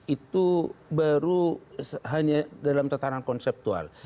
itu baru hanya dalam tatanan konseptual